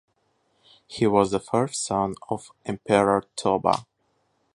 He was the fourth son of Emperor Toba.